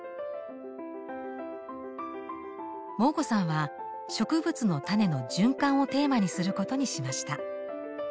モー子さんは植物の種の循環をテーマにすることにしました。